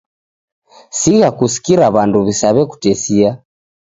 Sigha kusikira w'andu wisaw'ekutesia.